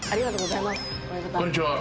こんにちは。